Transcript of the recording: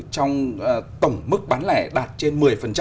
trong tổng mức bán lẻ đạt trên một mươi